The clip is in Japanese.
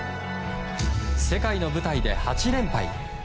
世界の舞台で８連敗。